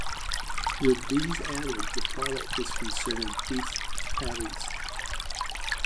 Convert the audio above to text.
With these added, the product is considered "beef patties".